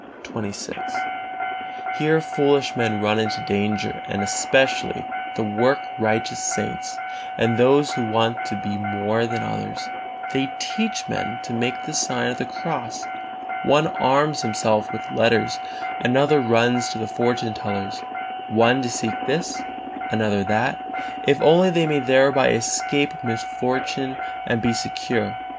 XXVI. Here foolish men run into danger, and especially the work righteous saints, and those who want to be more than others; they teach men to make the sign of the cross; one arms himself with letters, another runs to the fortunetellers; one seeks this, another that, if only they may thereby escape misfortune and be secure.